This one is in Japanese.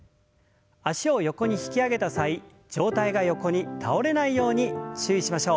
脚を横に引き上げた際上体が横に倒れないように注意しましょう。